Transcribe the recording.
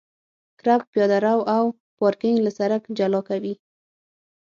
کرب پیاده رو او پارکینګ له سرک جلا کوي